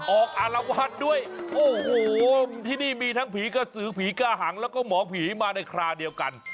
อารวาสด้วยโอ้โหที่นี่มีทั้งผีกระสือผีก้าหังแล้วก็หมอผีมาในคราเดียวกัน